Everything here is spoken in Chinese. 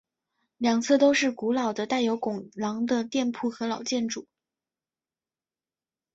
两侧都是古老的带有拱廊的店铺和老建筑。